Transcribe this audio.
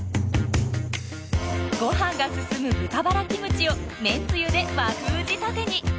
ご飯が進む豚バラキムチをめんつゆで和風仕立てに。